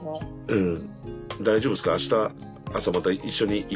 うん。